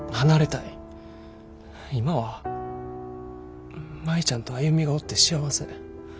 今は舞ちゃんと歩がおって幸せ。